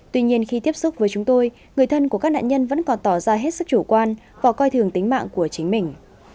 tuy nhiên khi tiếp xúc với chúng tôi người thân của các nạn nhân vẫn còn tỏ ra hết sức chủ quan và coi thường tính mạng của chính mình